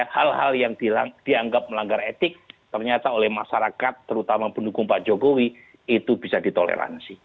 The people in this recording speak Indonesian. hal hal yang dianggap melanggar etik ternyata oleh masyarakat terutama pendukung pak jokowi itu bisa ditoleransi